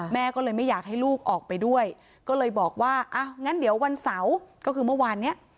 แม่ก็เลยไม่อยากให้ลูกออกไปด้วยก็เลยบอกว่าอ้าวงั้นเดี๋ยววันเสาร์ก็คือเมื่อวานเนี้ย